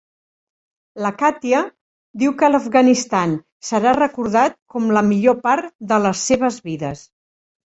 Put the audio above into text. La Katya diu que l'Afganistan serà recordat com la millor part de les seves vides.